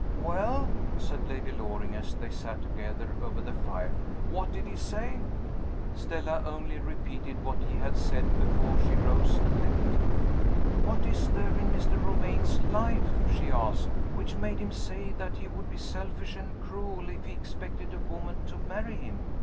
"Well?" said Lady Loring, as they sat together over the fire. "What did he say?" Stella only repeated what he had said before she rose and left him. "What is there in Mr. Romayne's life," she asked, "which made him say that he would be selfish and cruel if he expected a woman to marry him?